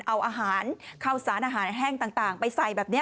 เอาอาหารข้าวสารอาหารแห้งต่างไปใส่แบบนี้